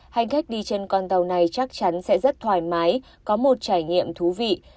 hành khách đi trên con tàu này chắc chắn sẽ rất thoải mái có một trải nghiệm thú vị